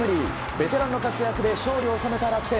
ベテランの活躍で勝利を収めた楽天。